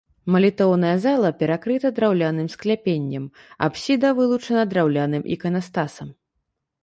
Малітоўная зала перакрыта драўляным скляпеннем, апсіда вылучана драўляным іканастасам.